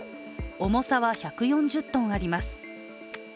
重さは１４０ｔあります。